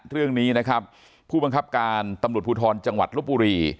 เรื่องนี้นะครับผู้บังคับการตำรวจภูทรจังหวัดลบบุรี